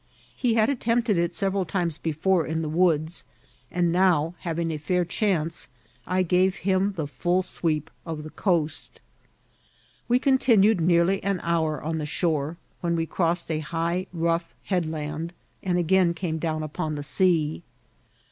He had attempted it several times before in the woods; and now, having a fair chance, I gave him the frill sweep of the coast. We continued nearly an hour on ther shore, when we crossed a high, rough headland, and again came down upon the sea.